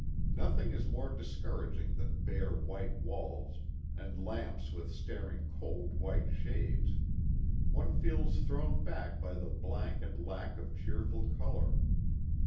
Nothing is more discouraging than bare white walls and lamps with staring cold white THE TWO WILLS. 133 shades one feels thrown back by the blank and lack of cheerful color.